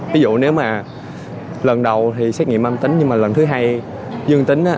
ví dụ nếu mà lần đầu thì xét nghiệm âm tính nhưng mà lần thứ hai dương tính